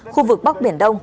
khu vực bắc biển đông